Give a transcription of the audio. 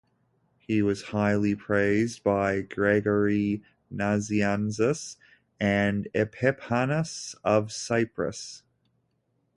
He was highly praised by Gregory Nazianzus and Epiphanius of Cyprus.